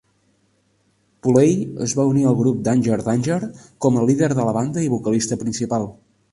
Poley es va unir al grup Danger Danger com a líder de la banda i vocalista principal.